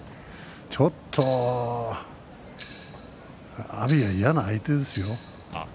ちょっと阿炎は嫌な相手ですよ